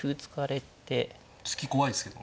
突き怖いですけど。